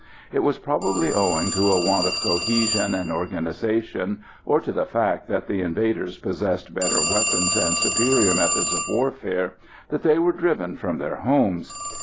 It was probably owing to a want of cohesion and organisation, or to the fact that the invaders possessed better weapons and superior methods of warfare, that they were driven from their homes.